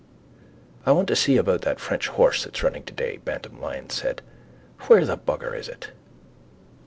—I want to see about that French horse that's running today, Bantam Lyons said. Where the bugger is it?